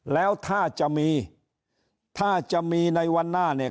แล้วถ้าจะมีในวันหน้าเนี่ย